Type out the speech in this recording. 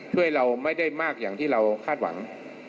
ช่วยเราไม่ได้มากอย่างที่เราคาดหวัง